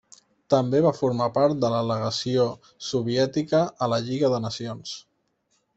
També va formar part de la legació soviètica a la Lliga de Nacions.